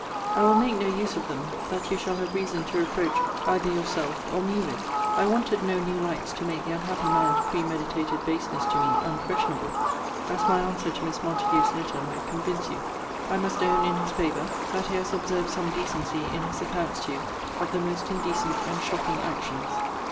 I will make no use of them, that you shall have reason to reproach either yourself or me with. I wanted no new lights to make the unhappy man's premeditated baseness to me unquestionable, as my answer to Miss Montague's letter might convince you.* * See Letter LXVIII. of this volume. I must own, in his favour, that he has observed some decency in his accounts to you of the most indecent and shocking actions.